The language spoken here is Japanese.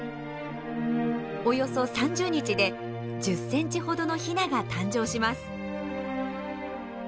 およそ３０日で１０ｃｍほどのヒナが誕生します。